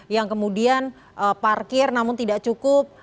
yang kemudian parkir namun tidak cukup